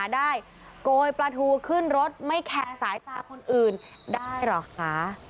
โกยปลาทูขึ้นรถไม่แคะสายตาคนอื่นได้เหรอคะ